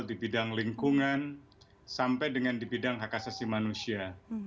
di bidang lingkungan sampai dengan di bidang hak asasi manusia